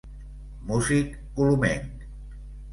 Músic colomenc.